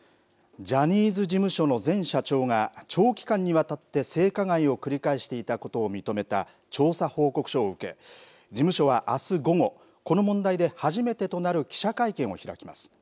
ジャニーズ事務所の前社長が、長期間にわたって性加害を繰り返していたことを認めた調査報告書を受け、事務所はあす午後、この問題で初めてとなる記者会見を開きます。